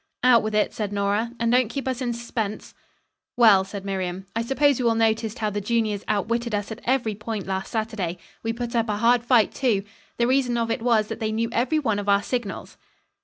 "Out with it," said Nora, "and don't keep us in suspense." "Well," said Miriam, "I suppose you all noticed how the juniors outwitted us at every point last Saturday? We put up a hard fight, too. The reason of it was that they knew every one of our signals."